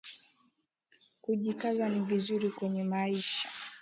Kujikaza ni vizuri kwenye maisha